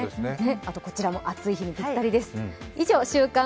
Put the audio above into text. あと、こちらも暑い日にぴったりです。